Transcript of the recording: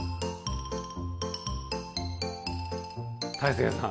大聖さん